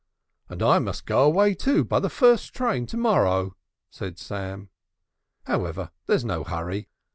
"And I must go away, too, by the first train to morrow," said Sam. "However, there's no hurry.